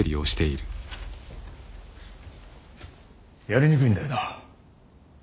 やりにくいんだよなあ。